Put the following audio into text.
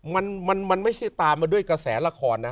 มันมันไม่ใช่ตามมาด้วยกระแสละครนะ